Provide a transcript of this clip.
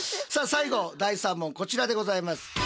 さあ最後第３問こちらでございます。